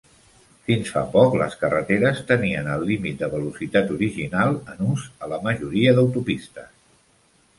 Fins fa poc, les carreteres tenien el límit de velocitat original en ús a la majoria d'autopistes.